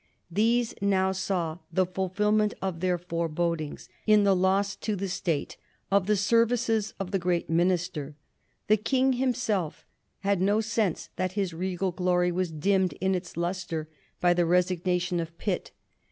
These now saw the fulfilment of their forebodings in the loss to the state of the services of the great minister. The King himself had no sense that his regal glory was dimmed in its lustre by the resignation of Pitt.